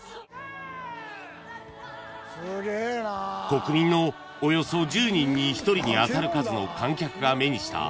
［国民のおよそ１０人に１人に当たる数の観客が目にした『ライオンキング』］